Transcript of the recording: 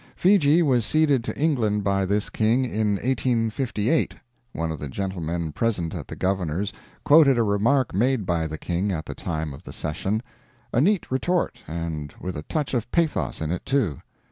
Fiji was ceded to England by this king in 1858. One of the gentlemen present at the governor's quoted a remark made by the king at the time of the session a neat retort, and with a touch of pathos in it, too.